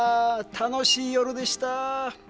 楽しい夜でした。